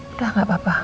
udah gak apa apa